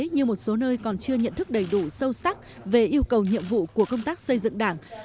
như một số nơi còn chưa nhận thức đầy đủ sâu sắc về yêu cầu nhiệm vụ của công tác xây dựng đảng